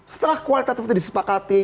setelah kualitatif itu disepakati